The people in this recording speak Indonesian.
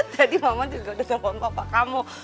tadi mama juga udah telepon bapak kamu